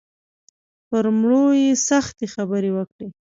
پر مړو یې سختې خبرې وکړې.